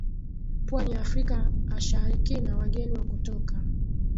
pwani ya Afrika asharikina wageni wa kutoka